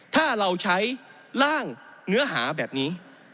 ถ้าเราใช้ร่างเนื้อหาแบบนี้